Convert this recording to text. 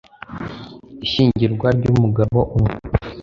ishyingirwa ry umugabo umwe